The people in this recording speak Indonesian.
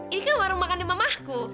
ini kan warung makan yang mamahku